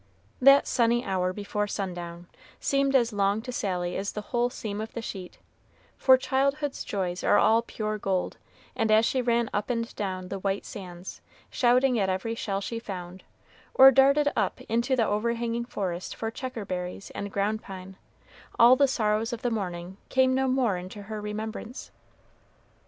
That sunny hour before sundown seemed as long to Sally as the whole seam of the sheet; for childhood's joys are all pure gold; and as she ran up and down the white sands, shouting at every shell she found, or darted up into the overhanging forest for checkerberries and ground pine, all the sorrows of the morning came no more into her remembrance.